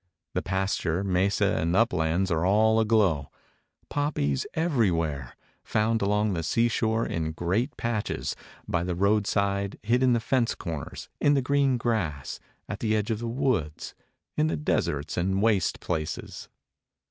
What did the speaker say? The pasture, mesa and uplands are all aglow. Poppies everywhere, found along the sea shore in great patches, by the roadside, hid in the fence corners, in the green grass, at the edge of the woods, in the deserts and waste places.